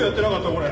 これ。